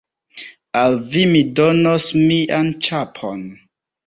Al vi mi donos mian ĉapon.